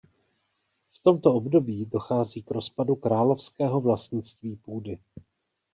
V tomto období dochází k rozpadu královského vlastnictví půdy.